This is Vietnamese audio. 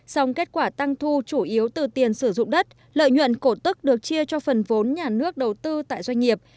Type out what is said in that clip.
song kết quả tăng thu chủ yếu từ tiền sử dụng đất lợi nhuận cổ tức được chia cho phần vốn nhà nước đầu tư tại doanh nghiệp